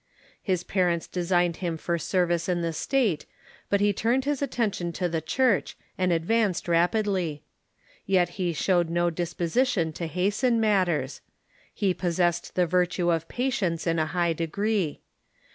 His pa rents designed him for service in the State. But he turned his attention to the Church, and advanced rapidly. Yet he showed no disposition to hasten matters. He possessed the virtue of patience in a high degree.